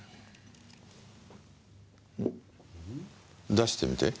出してみて。